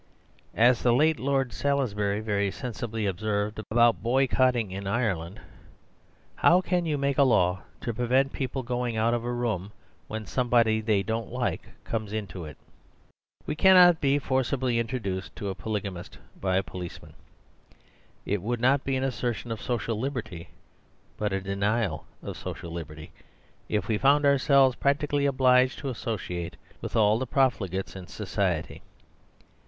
As the late Lord Salisbury very sensibly observed about boycotting in Ireland, "How can you make a law to prevent people going out of the room when somebody they don't like comes 110 The Superstition of Divorce into it?" We cannot be forcibly introduced to a polygamist by a policeman. It would not be an assertion of social liberty, but a de nial of social liberty, if we found ourselves practically obliged to associate with all the profligates in society.